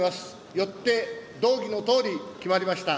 よって動議のとおり決まりました。